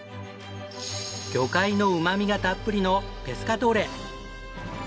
魚介のうま味がたっぷりのペスカトーレ！